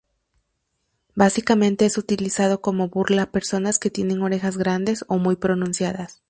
Básicamente es utilizado como burla a personas que tienen orejas grandes o muy pronunciadas.